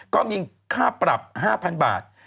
ก็มีค่าปรับ๕๐๐๐บาท